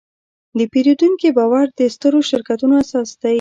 د پیرودونکي باور د سترو شرکتونو اساس دی.